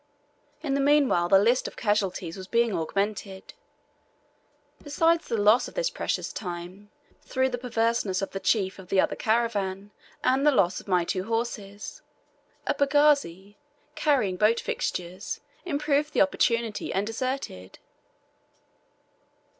In the meanwhile the list of casualties was being augmented. Besides the loss of this precious time, through the perverseness of the chief of the other caravan, and the loss of my two horses, a pagazi carrying boat fixtures improved the opportunity, and deserted.